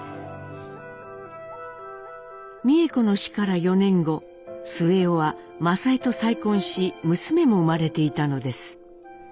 美枝子の死から４年後末男は政枝と再婚し娘も生まれていたのです。